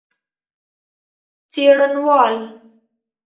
څېړنوال